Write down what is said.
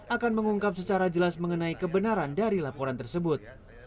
akan mengungkap secara jelas mengenai kebenaran dari laporan tersebut